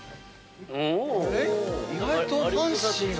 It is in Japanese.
意外とファンシーな。